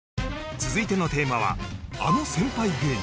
続いてのテーマは「あの先輩芸人」